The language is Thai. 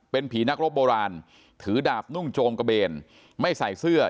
เป็นผีนักรบโบราณถือดาบนุ่งโจมกระเบนไม่ใส่เสื้อ